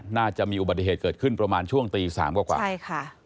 น่าจะมีอุบัติเหตุเกิดขึ้นประมาณช่วงตี๓กว่า